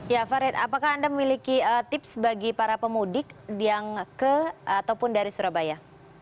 ya farid apakah anda memiliki tips bagi para pemudik yang ke ataupun dari surabaya